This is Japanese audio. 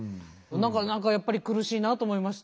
何かやっぱり苦しいなと思いました。